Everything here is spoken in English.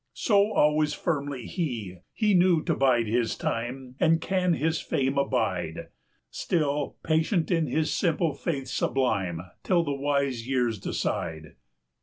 195 So always firmly he: He knew to bide his time, And can his fame abide, Still patient in his simple faith sublime, Till the wise years decide.